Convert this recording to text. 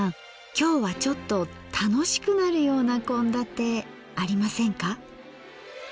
今日はちょっと楽しくなるような献立ありませんか？